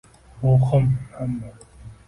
ruhim ammo